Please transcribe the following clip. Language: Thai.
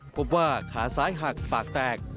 พบว่าขาซ้ายหักปากแตก